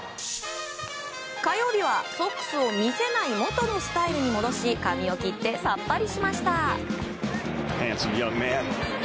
火曜日はソックスを見せない元のスタイルに戻し髪を切って、さっぱりしました。